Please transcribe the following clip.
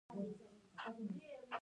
راز صيب زموږ د شعري بهیرونو یو مخکښ و